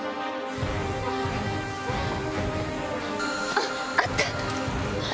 あっあった！